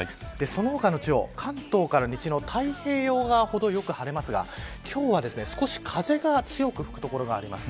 その他の地方、関東から西の太平洋側ほどよく晴れますが今日は少し風が強く吹く所があります。